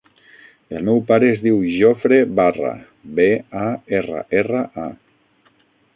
El meu pare es diu Jofre Barra: be, a, erra, erra, a.